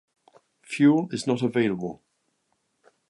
Fuel is not available.